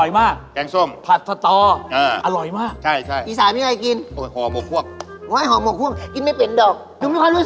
ยางหมูยางหมูชมวงอย่างนี้